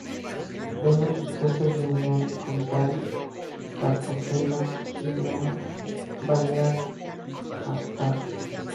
Vemos sus puntos de unión con Cádiz, Cartagena, Islas Baleares, Cartago...